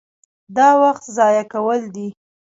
دا وخت ضایع کول دي.